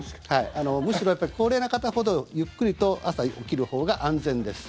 むしろ、高齢な方ほどゆっくりと朝起きるほうが安全です。